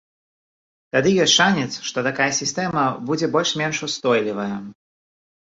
Тады ёсць шанец, што такая сістэма будзе больш-менш устойлівая.